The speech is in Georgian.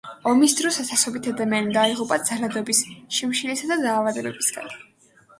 ომის დროს ათასობით ადამიანი დაიღუპა ძალადობის, შიმშილისა და დაავადებებისგან.